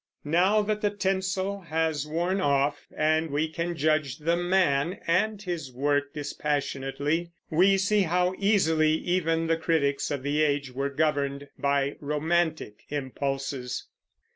Now that the tinsel has worn off, and we can judge the man and his work dispassionately, we see how easily even the critics of the age were governed by romantic impulses.